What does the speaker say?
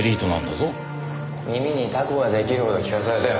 耳にタコが出来るほど聞かされたよ。